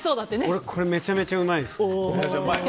俺これめちゃめちゃうまいです。